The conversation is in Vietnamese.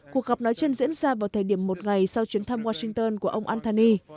cuộc gặp nói chân diễn ra vào thời điểm một ngày sau chuyến thăm washington của ông anthony